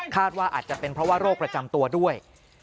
ว่าอาจจะเป็นเพราะว่าโรคประจำตัวด้วย